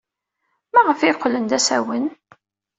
Maɣef ay qqlen d asawen?